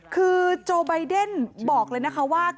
คือโจไบเดนบอกเลยนะคะว่า